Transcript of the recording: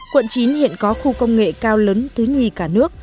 quận chín hiện có khu công nghệ cao lớn thứ hai cả nước